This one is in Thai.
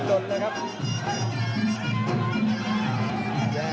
มันกำเท่าที่เขาซ้ายมันกำเท่าที่เขาซ้าย